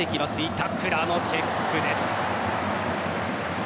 板倉のチェックです。